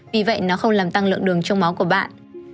vì vậy nó không làm tăng lượng đường trong máu của bạn